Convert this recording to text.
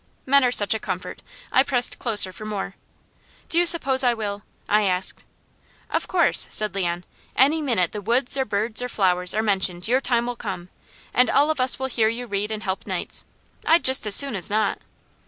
Men are such a comfort. I pressed closer for more. "Do you suppose I will?" I asked. "Of course," said Leon. "Any minute the woods, or birds, or flowers are mentioned your time will come; and all of us will hear you read and help nights. I'd just as soon as not."